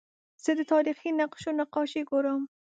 زه د تاریخي نقشو نقاشي ګورم.